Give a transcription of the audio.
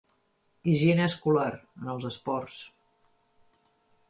Higiene escolar, en els esports.